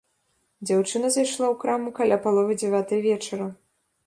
Дзяўчына зайшла ў краму каля паловы дзявятай вечара.